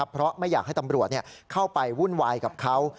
เพราะไม่อยากให้ตำรวจเข้าไปวุ่นวายกับเขา